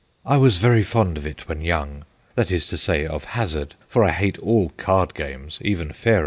' I was very fond of it when young, that is to say, of "Hazard"; for I hate all card games, even Faro.